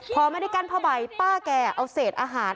พอไม่ได้กั้นผ้าใบป้าแกเอาเศษอาหาร